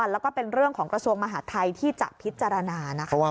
แล้วก็เป็นเรื่องของกระทรวงมหาดไทยที่จะพิจารณานะคะ